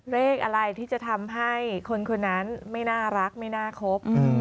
เลขอะไรที่จะทำให้คนคนนั้นไม่น่ารักไม่น่าครบ